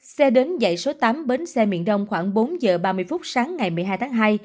xe đến dạy số tám bến xe miền đông khoảng bốn giờ ba mươi phút sáng ngày một mươi hai tháng hai